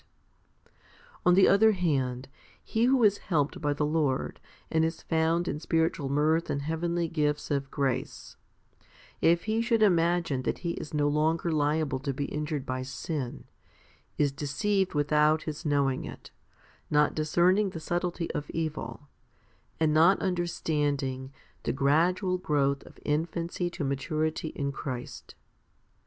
And on the other hand, he who is helped by the Lord, and is found in spiritual mirth and heavenly gifts of grace, if he should imagine that he is no longer liable to be injured by sin, is deceived without his knowing it, not discerning the subtilty of evil, and not understanding the gradual growth of infancy to maturity in Christ.